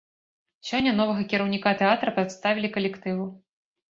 Сёння новага кіраўніка тэатра прадставілі калектыву.